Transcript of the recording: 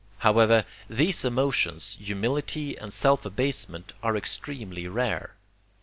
However, these emotions, humility and self abasement, are extremely rare.